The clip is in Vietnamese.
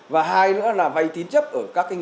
và hai nữa là vay tín chấp ở các ngân hàng